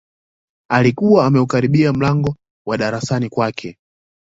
Alikuwa ameukaribia mlango wa darasani kwake